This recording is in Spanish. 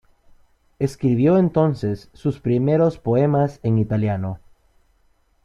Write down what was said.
Escribió entonces sus primeros poemas en italiano.